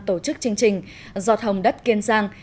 tổ chức chương trình giọt hồng đất kiên giang